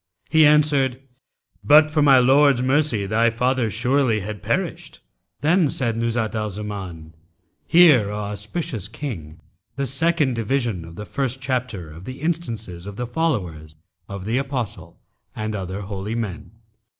He answered, 'But for my Lord's mercy thy father surely had perished.' Then said Nuzhat al Zaman, "Hear, O auspicious King, the second division of the first chapter of the instances of the followers of the Apostle and other holy men.